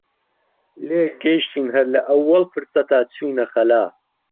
لێک گەیشتین هەر لە ئەووەڵ فرسەتا چووینە خەلا